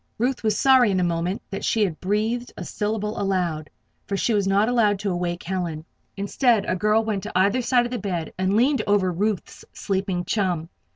Ruth was sorry in a moment that she had breathed a syllable aloud; for she was not allowed to awaken Helen. Instead, a girl went to either side of the bed and leaned over Ruth's sleeping chum.